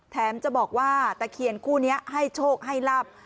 จะบอกว่าตะเคียนคู่นี้ให้โชคให้ลับ